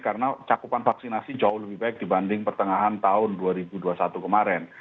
karena cakupan vaksinasi jauh lebih baik dibanding pertengahan tahun dua ribu dua puluh satu kemarin